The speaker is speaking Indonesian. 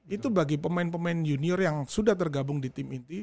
itu bagi pemain pemain junior yang sudah tergabung di tim inti